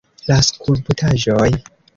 La skulptaĵoj!